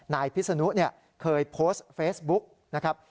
นายพิษนุเคยโพสต์เฟสบุ๊คนะครับ